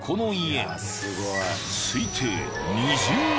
［推定］